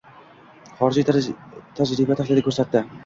Xorijiy tajriba tahlili koʻrsatdi